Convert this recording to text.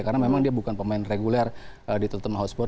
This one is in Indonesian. karena memang dia bukan pemain reguler di tottenham hotspur